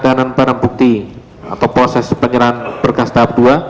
dan barang bukti atau proses penyerahan berkas tahap dua